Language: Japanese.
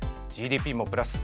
ＧＤＰもプラス。